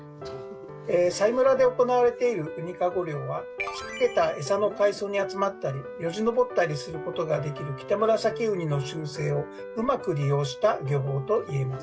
佐井村で行われているウニかご漁は仕掛けたエサの海藻に集まったりよじ登ったりすることができるキタムラサキウニの習性をうまく利用した漁法といえます。